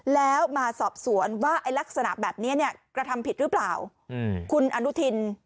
แล้วมาสอบสวนว่าไอ้ลักษณะแบบนี้เนี่ยกระทำผิดหรือเปล่าคุณอนุทิน